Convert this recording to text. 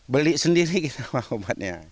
beli sendiri kita obatnya